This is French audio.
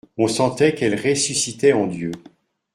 On sentait qu'elle ressuscitait en Dieu.